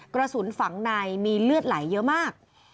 กระสุนฝังในมีเลือดไหลเยอะมาก